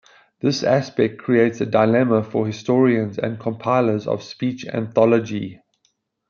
This aspect creates a dilemma for historians and compilers of speech anthology.